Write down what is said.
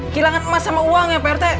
kehilangan emas sama uang ya pak rt